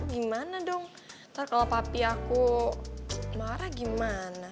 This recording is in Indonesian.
gimana dong ntar kalau papi aku marah gimana